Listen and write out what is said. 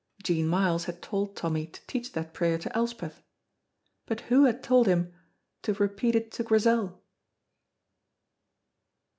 Jean Myles had told Tommy to teach that prayer to Elspeth; but who had told him to repeat it to Grizel?